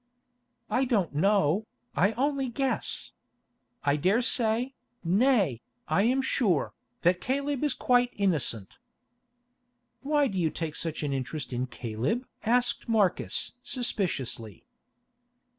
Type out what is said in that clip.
"I don't know, I only guess. I daresay, nay, I am sure, that Caleb is quite innocent." "Why do you take such an interest in Caleb?" asked Marcus suspiciously.